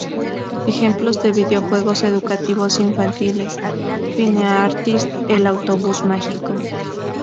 Ejemplos de videojuegos educativos infantiles: "Fine Artist, El autobús mágico.